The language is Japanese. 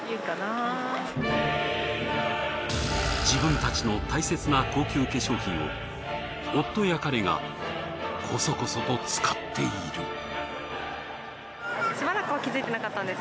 自分たちの大切な高級化粧品を夫や彼がこそこそと使っている。